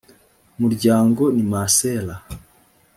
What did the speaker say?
muryango ni masera